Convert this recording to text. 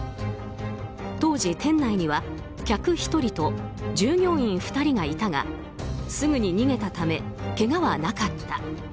当時、店内には客１人と従業員２人がいたがすぐに逃げたためけがはなかった。